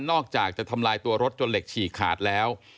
อกจากจะทำลายตัวรถจนเหล็กฉี่ขาดแล้ว